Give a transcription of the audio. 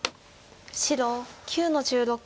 白９の十六。